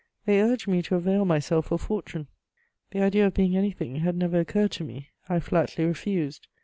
They urged me to avail myself of fortune. The idea of being anything had never occurred to me; I flatly refused.